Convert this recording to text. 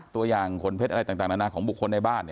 ตัวยางคนเพชรอะไรต่างละครบุคคลในบ้าน